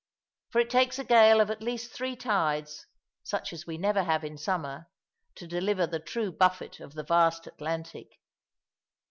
For it takes a gale of at least three tides, such as we never have in summer, to deliver the true buffet of the vast Atlantic.